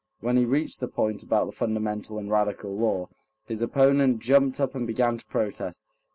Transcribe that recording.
When he reached the point about the fundamental and radical law, his opponent jumped up and began to protest.